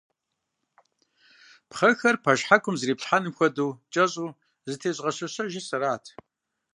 Пхъэхэр, пэшхьэкум зэриплъхьэнум хуэдэу, кӀэщӀу зэтезыгъэщэщэжыр сэрат.